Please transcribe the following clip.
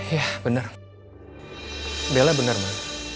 ya benar bella benar mas